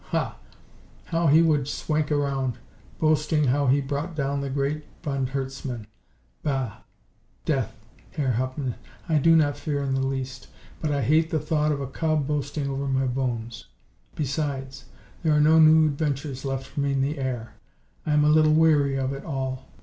Ha! How he would swank around, boasting how he brought down the great von Herzmann. Bah! Death, Herr Hauptmann, I do not fear in the least, but I hate the thought of a cub boasting over my bones. Besides, there are no new adventures left for me in the air. I am a little weary of it all.